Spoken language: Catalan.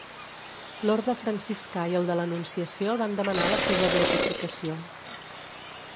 L'orde franciscà i el de l'Anunciació van demanar la seva beatificació.